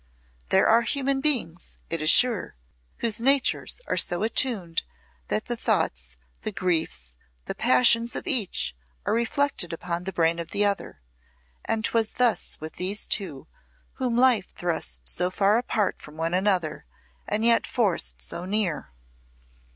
There are human beings, it is sure, whose natures are so attuned that the thoughts, the griefs, the passions of each are reflected upon the brain of the other; and 'twas thus with these two whom life thrust so far apart from one another and yet forced so near.